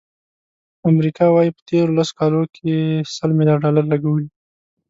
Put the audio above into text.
امریکا وایي، په تېرو لسو کالو کې سل ملیارد ډالر لګولي.